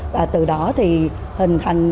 và từ đó thì hình thành